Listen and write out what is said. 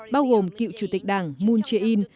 bao gồm cựu chủ tịch đảng moon jae in